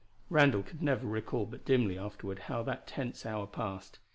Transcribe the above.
Randall could never recall but dimly afterward how that tense hour passed.